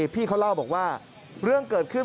พี่เขาเล่าบอกว่าเรื่องเกิดขึ้น